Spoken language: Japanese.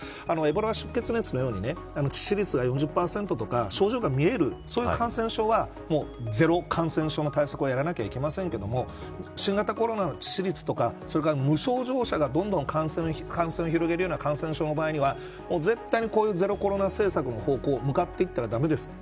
エボラ出血熱のように致死率が４０％だとか症状が見える感染症はゼロ感染症の対策をやらなければいけませんけれど新型コロナの致死率とか無症状者がどんどん感染を広げるような感染症の場合は絶対に、こういうゼロコロナ政策の方に向かっていったら駄目です。